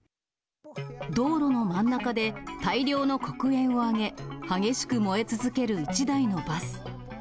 道路の真ん中で大量の黒煙を上げ、激しく燃え続ける１台のバス。